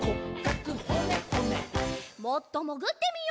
もっともぐってみよう。